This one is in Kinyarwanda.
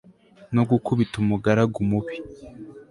no gukubita umugaragu mubi